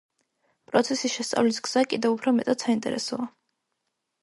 პროცესის შესწავლის გზა კიდევ უფრო მეტად საინტერესოა.